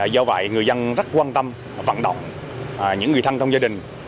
do vậy người dân rất quan tâm vận động những người thân trong gia đình